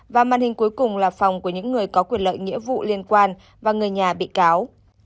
và màn hình cuối cùng là phòng của những người có quyền lợi nghĩa vụ liên quan và người nhà bị cáo